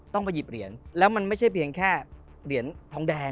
ต้องไปหยิบเหรียญแล้วมันไม่ใช่เพียงแค่เหรียญทองแดง